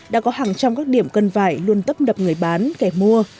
đã có hàng trăm các điểm cân vải luôn tấp nập người bán kẻ mua